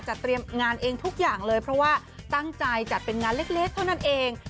เตรียมงานเองทุกอย่างเลยเพราะว่าตั้งใจจัดเป็นงานเล็กเท่านั้นเอง